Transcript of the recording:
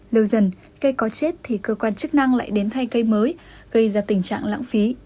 lâu dần cây có chết thì cơ quan chức năng lại đến thay cây mới gây ra tình trạng lãng phí